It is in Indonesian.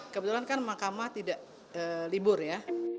kebetulan kan mahkamah tidak libur ya